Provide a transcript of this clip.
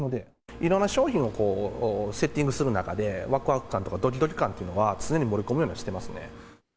いろんな商品をセッティングする中で、わくわく感とかどきどき感というのは常に盛り込むようにしてはしてますね。